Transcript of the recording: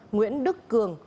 nguyễn đức cường